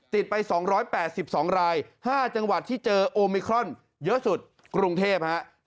ติดไป๒๘๒ราย๕จังหวัดที่เจอโอมิครอนเยอะสุดกรุงเทพฮะ